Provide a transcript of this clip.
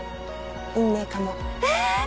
運命かもえーっ！